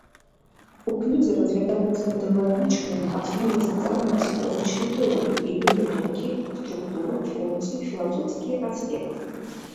У кнізе разглядаюцца метадалагічныя асновы сацыяльна-псіхалагічнай тэорыі, яе вытокі, структура, функцыі, філасофскія аспекты.